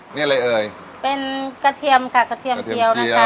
นี่อะไรเอ่ยเป็นกระเทียมค่ะกระเทียมเจียวนะคะ